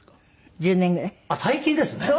あっ最近ですね。